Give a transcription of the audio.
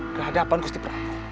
kehadapanku setiap hari